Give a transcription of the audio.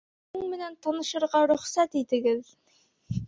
Һеҙҙең менән танышырға рөхсәт итегеҙ.